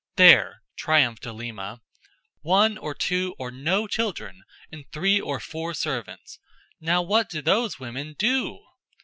"There!" triumphed Alima. "One or two or no children, and three or four servants. Now what do those women _do?